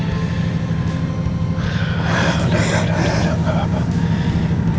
udah udah udah gak apa apa